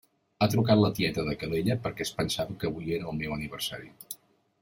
Ha trucat la tieta de Calella perquè es pensava que avui era el meu aniversari.